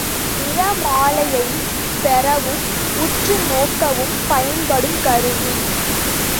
நிறமாலையைப் பெறவும் உற்றுநோக்கவும் பயன்படும் கருவி.